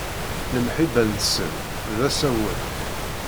Lemḥibba-nsen, d asawen.